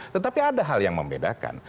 tetapi ada hal yang membedakan